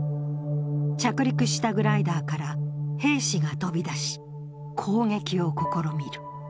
着陸したグライダーから兵士が飛び出し、攻撃を試みる。